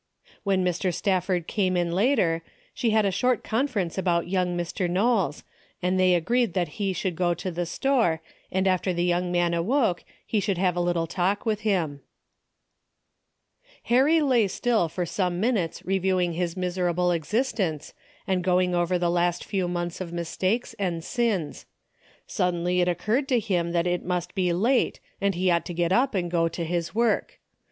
A DAILY BATE. 197 When Mr. Stafford came in later, she had a short conference about young Mr. Knowles, and they agreed that he should go to the store, and after the young man awoke he should have a little talk with him. Harry lay still for some minutes reviewing his miserable existence, and going over the last few months of mistakes and sins. Sud denly it occurred to him that it must be late and he ought to get up and go to his work.